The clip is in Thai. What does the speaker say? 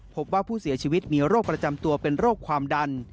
พบว่าผู้เสียชีวิตมีโรคประจำตัวเป็นโรคความดัน